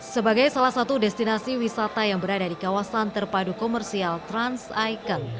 sebagai salah satu destinasi wisata yang berada di kawasan terpadu komersial trans icon